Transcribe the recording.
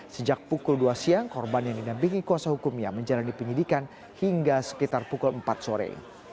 sejak pukul dua siang korban yang didampingi kuasa hukumnya menjalani penyidikan hingga sekitar pukul empat sore